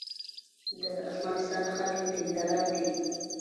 د افغانستان خلک دیندار دي